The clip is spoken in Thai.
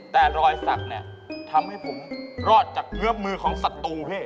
แต่รอยสักน่ะทำให้ผมรอดจากเนื้อมือของสัตว์ตัวเฮท